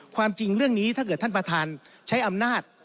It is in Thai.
ความจริงเรื่องนี้ถ้าเกิดท่านประธานใช้อำนาจ